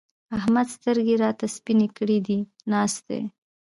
احمد سترګې راته سپينې کړې دي؛ ناست دی.